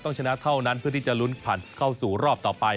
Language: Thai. ชนะเท่านั้นเพื่อที่จะลุ้นผ่านเข้าสู่รอบต่อไป